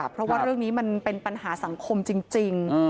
เพราะว่าเรื่องนี้มันเป็นปัญหาสังคมจริง